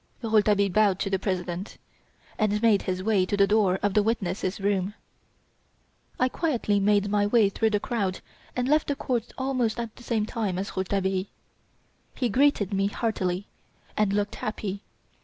Rouletabille bowed to the President, and made his way to the door of the witnesses' room. I quietly made my way through the crowd and left the court almost at the same time as Rouletabille. He greeted me heartily, and looked happy.